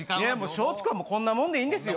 松竹はこんなもんでいいんです。